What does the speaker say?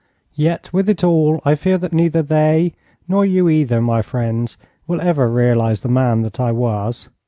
Yet with it all I fear that neither they, nor you either, my friends, will ever realize the man that I was.